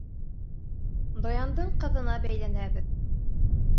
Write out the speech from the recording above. Даяндың ҡыҙына бәйләнәбеҙ.